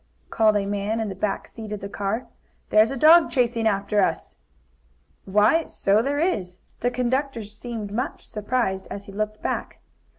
called a man in the back seat of the car, "there's a dog chasing after us!" "Why, so there is!" The conductor seemed much surprised as he looked back.